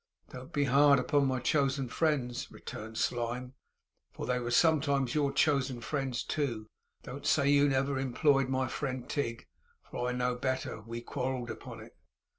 'Don't be hard upon my chosen friends,' returned Slyme, 'for they were sometimes your chosen friends too. Don't say you never employed my friend Tigg, for I know better. We quarrelled upon it.